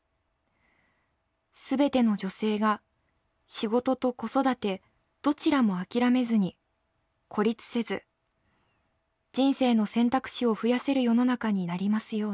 「全ての女性が仕事と子育てどちらも諦めずに孤立せず人生の選択肢を増やせる世の中になりますように。